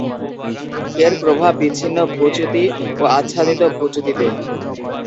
এর প্রভাব বিচ্ছিন্ন ভূ-চ্যুতি ও আচ্ছাদিত ভূ-চ্যুতিতে।